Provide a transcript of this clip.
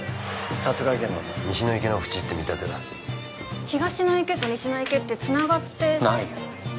殺害現場も西の池の縁って見立てだ東の池と西の池ってつながってないよ